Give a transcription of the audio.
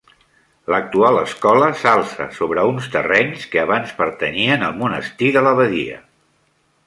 L'actual escola s'alça sobre uns terrenys que abans pertanyien al monestir de l'abadia.